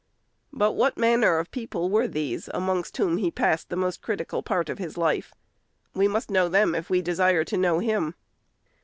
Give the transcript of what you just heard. But what manner of people were these amongst whom he passed the most critical part of his life? We must know them if we desire to know him.